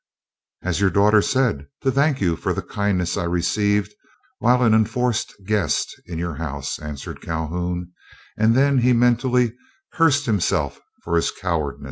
"As your daughter said, to thank you for the kindness I received while an enforced guest in your house," answered Calhoun, and then he mentally cursed himself for his cowardice.